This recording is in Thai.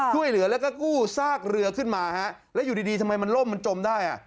ช่วยเหลือแล้วก็กู้ซากเรือขึ้นมาฮะแล้วอยู่ดีทำไมมันล่มมันจมได้อ่ะ